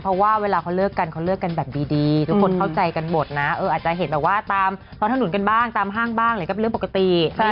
เราก็ยังคุยกันได้เป็นเพื่อนกันได้